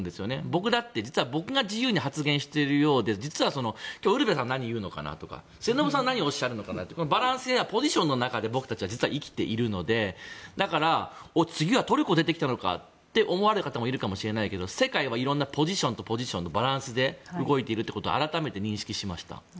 僕だって実は僕が自由に発言しているようで今日はウルヴェさんが何を言うのかなとか、末延さんは何をおっしゃるかなとかバランスやポジションの中で実は僕たちは生きているのでだから次はトルコが出てきたのかと思う人がいるかもしれませんが世界はいろんなポジションのバランスで動いていることを改めて認識しました。